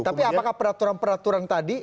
tapi apakah peraturan peraturan tadi